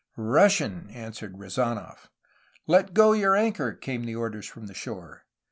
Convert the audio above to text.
"Russian," answered Rezanof. "Let go your anchor," came the orders from the shore.